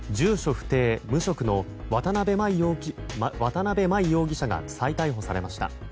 不定・無職の渡辺真衣容疑者が再逮捕されました。